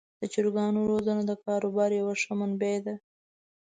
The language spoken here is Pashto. د چرګانو روزنه د کاروبار یوه ښه منبع ده.